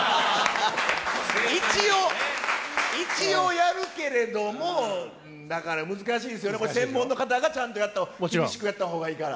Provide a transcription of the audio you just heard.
一応、一応やるけれども、だから、難しいですよね、専門の方がちゃんとやると、厳しくやったほうがいいから。